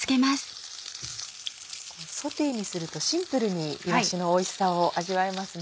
ソテーにするとシンプルにいわしのおいしさを味わえますね。